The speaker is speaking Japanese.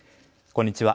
こんにちは。